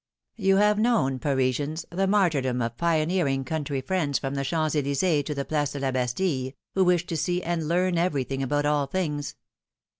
You have known, Parisians, the martyrdom of pioneer ing country friends from the Champs Elys^es to the Place de la Bastille, who wish to see and learn everything about all things.